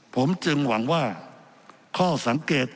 ผมจึงหวังว่าข้อสังเกต